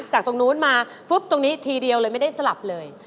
จากตรงนู้นมาฟึ๊บตรงนี้ทีเดียวเลยไม่ได้สลับเลย